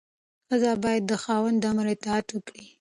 ښځه باید د خاوند د امر اطاعت وکړي.